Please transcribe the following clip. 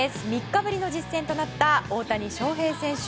３日ぶりの実戦となった大谷翔平選手。